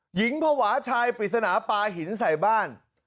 หญิงภาวะชายปริศนาปลาหินใส่บ้าน